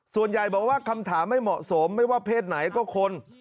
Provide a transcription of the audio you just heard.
ส่วนใหญ่บอกว่าคำถามไม่เหมาะสมไม่ว่าเพศไหนก็คน